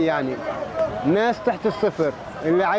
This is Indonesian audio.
karena tidak ada kerja tidak ada uang